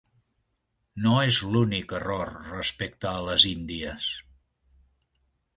No és l'únic error respecte a les índies.